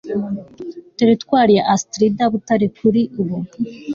Teritwari ya Astrida Butare kuri ubu